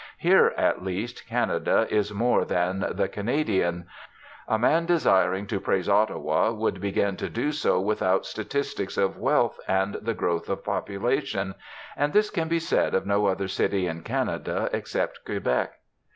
Here, at least, Canada is more than the Canadian. A man desiring to praise Ottawa would begin to do so without statistics of wealth and the growth of population; and this can be said of no other city in Canada except Quebec.